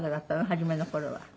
初めの頃は。